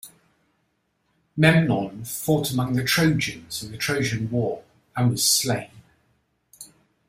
Memnon fought among the Trojans in the Trojan War and was slain.